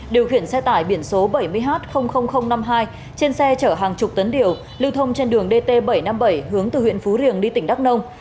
điều khiển xe tải biển số bảy mươi h năm mươi hai trên xe chở hàng chục tấn điều lưu thông trên đường dt bảy trăm năm mươi bảy hướng từ huyện phú riềng đi tỉnh đắk nông